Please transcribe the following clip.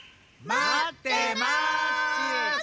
まってますっち！